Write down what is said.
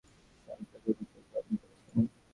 কিন্তু ও বেচারার তো কোনো দোষ নেই, ও তো কর্তব্য পালন করেছে।